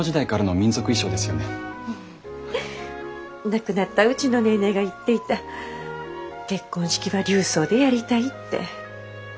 亡くなったうちのネーネーが言っていた「結婚式は琉装でやりたい」って。